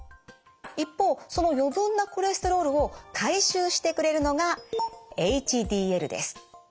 一方その余分なコレステロールを回収してくれるのがＨＤＬです。